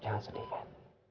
jangan sedih cat